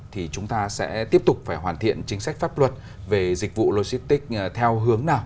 thì chúng ta sẽ tiếp tục phải hoàn thiện chính sách pháp luật về dịch vụ logistics theo hướng nào